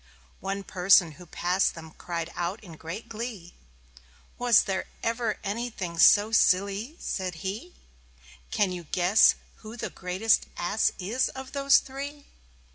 One person who passed them cried out in great glee. "Was there anything ever so silly?" said he. "Can you guess who the greatest Ass is of those three?"